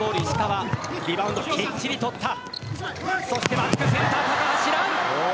バックセンター・高橋藍！